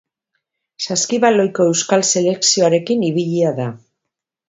Saskibaloiko euskal selekzioarekin ibilia da.